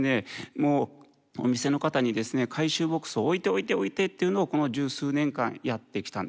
もうお店の方にですね回収ボックスを置いて置いて置いてっていうのをこの十数年間やってきたんです。